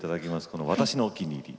この「私のお気に入り」